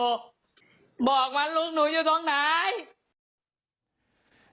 บอกว่าลูกหนูอยู่ตรงไหน